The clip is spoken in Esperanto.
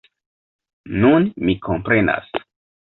Nun, mi komprenas.